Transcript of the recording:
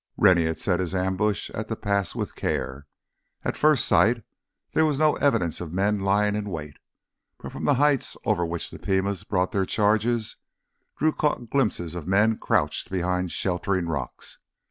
Rennie had set his ambush at the pass with care. At first sight there was no evidence of men lying in wait, but from the heights over which the Pimas brought their charges, Drew caught glimpses of men crouched behind sheltering rocks.